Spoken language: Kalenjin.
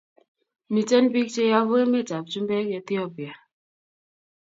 Miten pik che yabu emet ab chumbek Ethipia